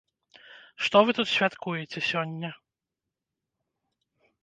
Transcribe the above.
Што вы тут святкуеце сёння?